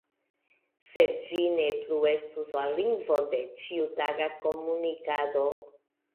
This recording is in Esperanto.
Sed ĝi ne plu estus la lingvo de ĉiutaga komunikado.